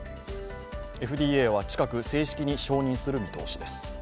ＦＤＡは近く正式に承認する見通しです。